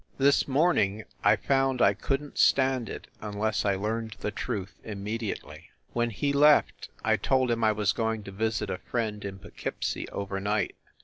This morning I found I couldn t stand it unless I learned the truth immediately. When he left I told him I was going to visit a friend in Pough keepsie over night.